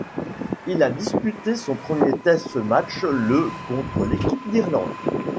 Il a disputé son premier test match le contre l'équipe d'Irlande.